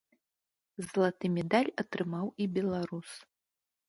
Залаты медаль атрымаў і беларус.